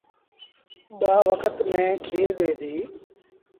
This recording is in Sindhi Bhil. ٻآ وکت ميݩهن کير ڏي دي۔